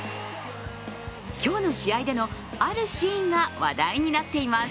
今日の試合でのあるシーンが話題になっています。